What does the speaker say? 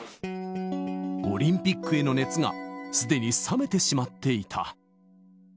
オリンピックへの熱が、すでに冷めてしまっていた。